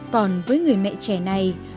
còn với người mẹ trẻ này